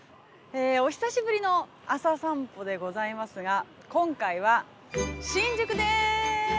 お久しぶりの朝さんぽでございますが、今回は新宿です。